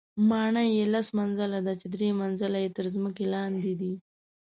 ماڼۍ یې لس منزله ده چې درې منزله یې تر ځمکې لاندې دي.